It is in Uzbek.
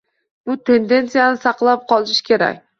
Bu tendentsiyani saqlab qolish kerak